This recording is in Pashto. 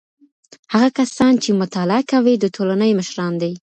هغه کسان چي مطالعه کوي د ټولني مشران دي.